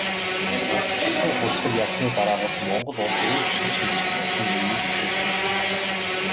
Ардчилсан хувьсгал ялсны дараагаас Монгол улс өөрчлөлт шинэчлэлтийн үеийг эхлүүлсэн.